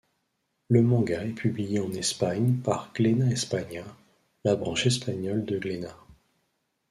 Le manga est publié en Espagne par Glénat España, la branche espagnole de Glénat.